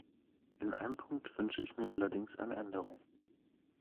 In einem Punkt wünsche ich mir allerdings eine Änderung.